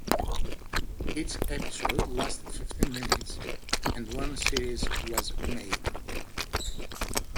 Each episode lasted fifteen minutes, and one series was made.